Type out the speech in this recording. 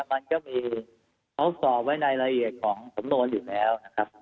มันก็มีอัลสอบไว้ในรายละเอียดของสมโน้นอยู่แล้ว